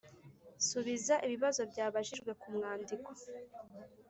Subiza ibibazo byabajijwe ku mwandiko “